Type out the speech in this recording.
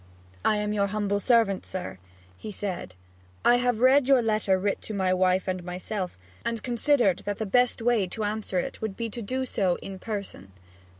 'I am your humble servant, sir,' he said. 'I have read your letter writ to my wife and myself, and considered that the best way to answer it would be to do so in person.'